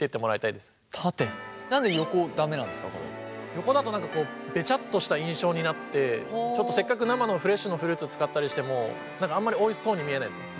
横だと何かこうベチャッとした印象になってせっかく生のフレッシュのフルーツ使ったりしてもあんまりおいしそうに見えないですね。